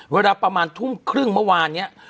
เวลาประมาณทุ่มครึ่งเมื่อวานเนี่ย